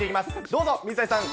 どうぞ、水谷さん。